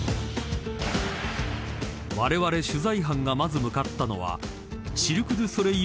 ［われわれ取材班がまず向かったのはシルク・ドゥ・ソレイユ